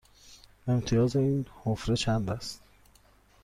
امتیاز این حفره چند است؟